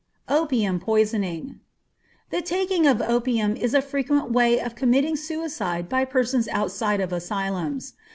Opium Poisoning. The taking of opium is a frequent way of committing suicide by persons outside of asylums.